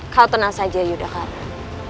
kau tenang saja yodha karat